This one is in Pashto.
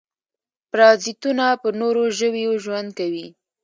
پرازیتونه په نورو ژویو ژوند کوي